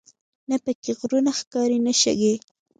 نه په کې غرونه ښکاري نه شګې.